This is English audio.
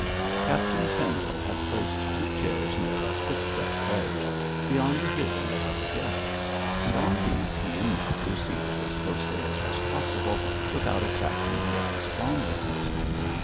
Captain Pendle had placed two chairs near a quick set hedge, beyond the hearing of other guests, and on these he and Mab were seated as closely as was possible without attracting the eyes of onlookers.